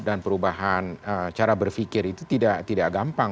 dan perubahan cara berpikir itu tidak gampang